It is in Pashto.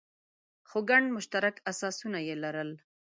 خو ګڼ مشترک اساسونه یې لرل.